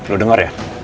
lo denger ya